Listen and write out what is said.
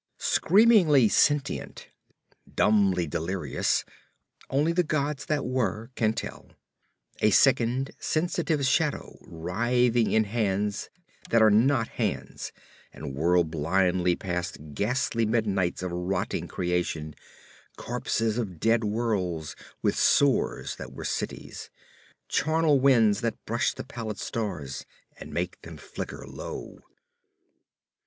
Screamingly sentient, dumbly delirious, only the gods that were can tell. A sickened, sensitive shadow writhing in hands that are not hands, and whirled blindly past ghastly midnights of rotting creation, corpses of dead worlds with sores that were cities, charnel winds that brush the pallid stars and make them flicker low.